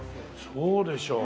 そうでしょう。